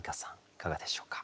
いかがでしょうか？